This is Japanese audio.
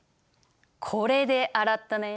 これで洗ったね？